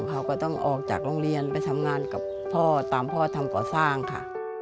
เขาก็ต้องออกจากโรงเรียนไปทำงานกับพ่อตามพ่อทำก่อสร้างค่ะ